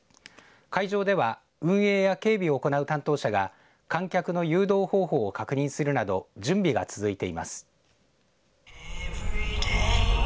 会場では運営や警備を行う担当者が観客の誘導方法を確認するなど準備が続いています。